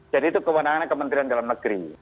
jadi itu kewenangannya kementerian dalam negeri